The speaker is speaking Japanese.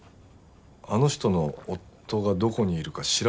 あの人の夫がどこにいるか調べてくれない？